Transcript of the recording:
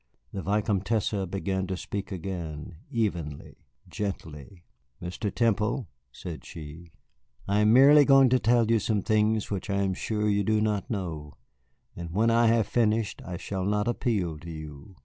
The Vicomtesse began to speak again, evenly, gently. "Mr. Temple," said she, "I am merely going to tell you some things which I am sure you do not know, and when I have finished I shall not appeal to you.